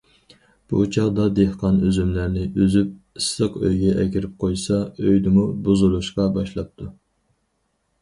بۇ چاغدا دېھقان ئۈزۈملەرنى ئۈزۈپ ئىسسىق ئۆيىگە ئەكىرىپ قويسا، ئۆيدىمۇ بۇزۇلۇشقا باشلاپتۇ.